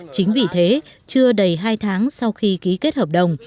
chính vì thế chưa đầy hai tháng sau khi ký kết hợp đồng